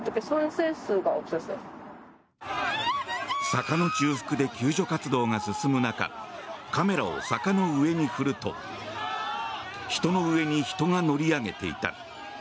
坂の中腹で救助活動が続く中カメラを坂の上に振ると人の上に人が乗り上げていた。